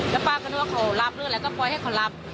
แล้วป้าก็นึกว่าเขารับหรืออะไรก็ปล่อยให้เขารับ